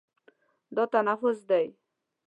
دا تنفس ده.